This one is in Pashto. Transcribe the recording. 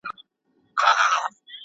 برېتور دي چي ښخېږي د زمریو جنازې دي `